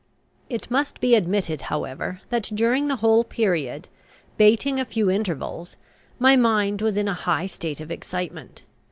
It must be admitted, however, that during the whole period, bating a few intervals, my mind was in a high state of excitement.